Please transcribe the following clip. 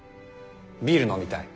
ビール飲みたい。